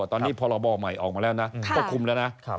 ตอนนี้พรบใหม่ออกมาแล้วนะก็คุมแล้วนะ